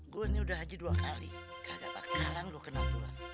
gue ini udah haji dua kali kagak bakarang lo kena tulah